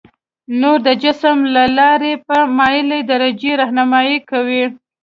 نور د جسم له لارې په مایلې درجې رهنمایي کوي.